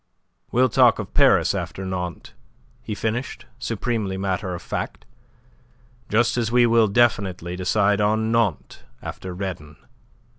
"We'll talk of Paris after Nantes," he finished, supremely matter of fact, "just as we will definitely decide on Nantes after Redon."